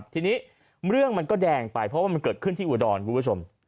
ทีนี้เรื่องมันก็แดงไปเพราะว่ามันเกิดขึ้นที่อุดรคุณผู้ชม